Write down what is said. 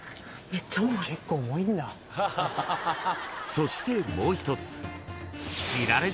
［そしてもう一つ］